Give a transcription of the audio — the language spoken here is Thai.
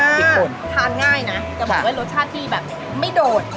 ทานง่ายนะจะบอกว่ารสชาติที่แบบไม่โดดแหลมฟรีปัสแต่ว่ากลมกรอกเด็กน่าจะชอบ